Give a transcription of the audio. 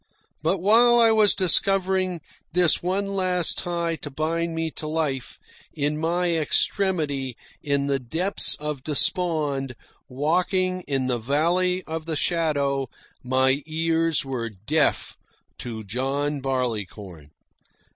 But while I was discovering this one last tie to bind me to life, in my extremity, in the depths of despond, walking in the valley of the shadow, my ears were deaf to John Barleycorn.